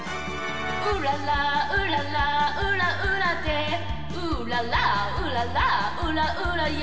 ウララウララウラウラでウララウララウラウラよ